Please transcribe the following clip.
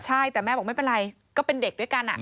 ใช่แต่แม่บอกไม่เป็นไรก็เป็นเด็กด้วยกัน